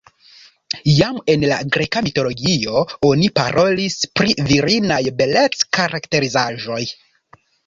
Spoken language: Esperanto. Jam en la Greka mitologio oni parolis pri virinaj belec-karakterizaĵoj.